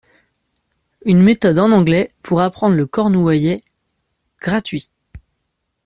Une méthode en anglais pour apprendre le cornouaillais, gratuit.